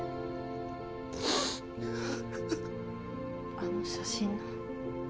あの写真の。